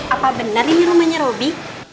apa benar ini rumahnya roby